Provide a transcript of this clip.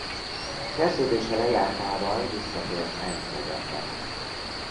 Szerződése lejártával visszatért Eindhovenbe.